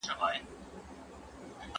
لويه جرګه په ټولنه کي د ورورګلوۍ فضا جوړوي.